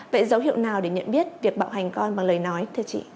vậy dấu hiệu nào để nhận biết việc bạo hành con bằng lời nói thưa chị